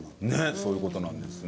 そういう事なんですね。